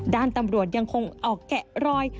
ด้านตำรวจยังคงออกแกะรอย